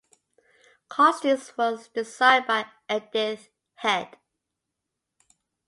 Costumes were designed by Edith Head.